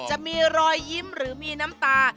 จะมีรอยยิ้มหรือมีน้ำตา